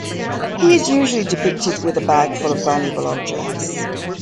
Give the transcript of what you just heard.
He is usually depicted with a bag full of valuable objects.